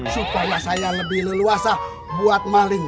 supaya saya lebih leluasa buat maling